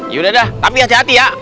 ya udah tapi hati hati ya